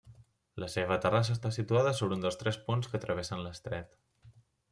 La seva terrassa està situada sota un dels tres ponts que travessen l'estret.